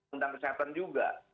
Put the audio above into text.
undang kesehatan juga